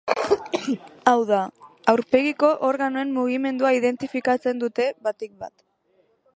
Hau da, aurpegiko organoen mugimendua identifikatzen dute batik bat.